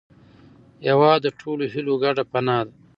هېواد د ټولو هیلو ګډه پناه ده.